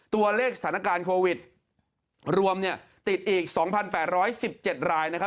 ตัวเลขสถานการณ์โควิดรวมติดอีก๒๘๑๗รายนะครับ